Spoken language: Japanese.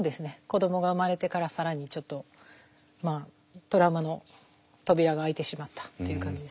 子どもが生まれてから更にちょっとトラウマの扉が開いてしまったっていう感じですね。